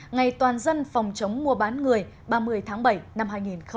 ngày toàn dân phòng chống mua bán người ba mươi tháng bảy năm hai nghìn một mươi chín